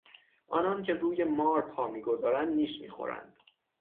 آنان که روی مار پا میگذارند نیش میخورند.